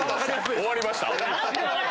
終わりました